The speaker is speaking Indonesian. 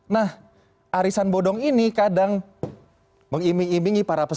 nah alisan bodong ini kadang mengimbing imbingi para peserta